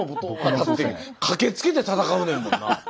だって駆けつけて戦うねんもんな。